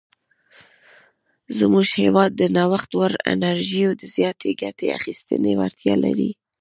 زموږ هیواد د نوښت وړ انرژیو د زیاتې ګټې اخیستنې وړتیا لري.